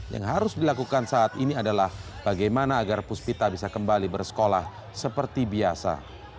yang harus dilakukan saat ini adalah bagaimana agar puspita bisa kembali bersekolah seperti biasa